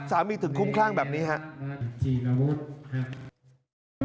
สามีถึงคุ้มคล่างแบบนี้ครับ